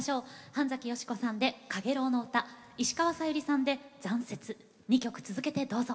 半美子さんで「蜉蝣のうた」石川さゆりさんで「残雪」２曲続けてどうぞ。